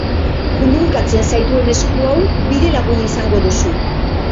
Kulunkatzen zaituen esku hau bidelagun izango duzu.